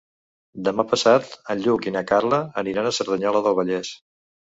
Demà passat en Lluc i na Carla aniran a Cerdanyola del Vallès.